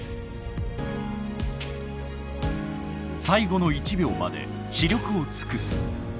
最後の１秒まで死力を尽くす。